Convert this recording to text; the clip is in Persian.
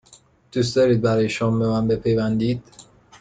دوست دارید برای شام به من بپیوندید؟